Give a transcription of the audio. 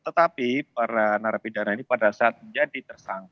tetapi para narapidana ini pada saat menjadi tersangka